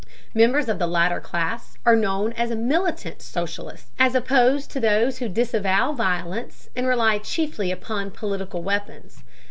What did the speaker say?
Members of the latter class are known as militant socialists, as opposed to those who disavow violence and rely chiefly upon political weapons.